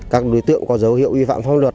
các đối tượng có dấu hiệu uy phạm phong luật